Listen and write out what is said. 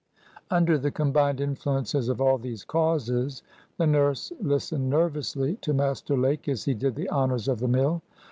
Under the combined influences of all these causes, the nurse listened nervously to Master Lake, as he did the honors of the mill.